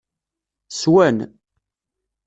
Swan.